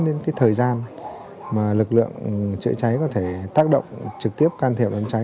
đến thời gian mà lực lượng cháy cháy có thể tác động trực tiếp can thiệp đám cháy